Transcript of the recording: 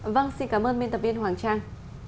vâng xin cảm ơn biên tập viên hoàng trang